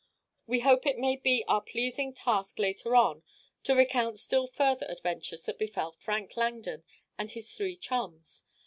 We hope it may be our pleasing task later on to recount still further adventures that befell Frank Langdon and his three chums.